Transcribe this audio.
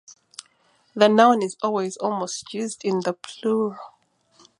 The noun is almost always used in the plural.